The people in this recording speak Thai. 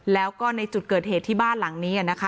แล้วก็ในจุดเกิดเหตุที่บ้านหลังนี้นะคะ